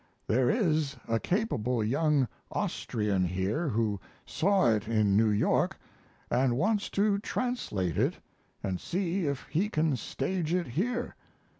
There is a capable young Austrian here who saw it in New York and wants to translate it and see if he can stage it here.